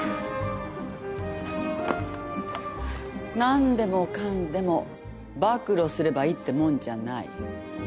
なんでもかんでも暴露すればいいってもんじゃない。